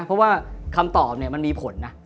เพราะว่าคำตอบมันมีผลน่ะ